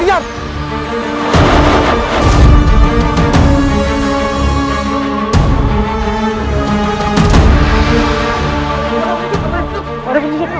di jalan ini dia kalo coba mengunjung ke sequoia